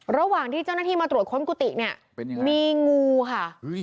ระหว่างที่เจ้าหน้าที่มาตรวจค้นกุฏิเนี่ยมีงูค่ะ